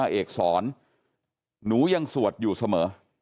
เอกสอนหนูยังสวดอยู่เสมอ